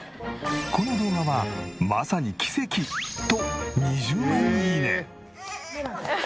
この動画はまさに奇跡と２０万いいね。